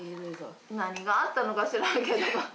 何があったのか知らんけど。